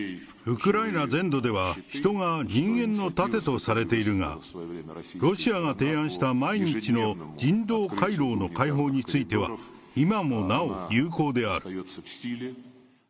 ウクライナ全土では、人が人間の盾とされているが、ロシアが提案した毎日の人道回廊の開放については、今もなお有効である。